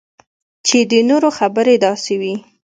چې د نورو خبرې داسې وي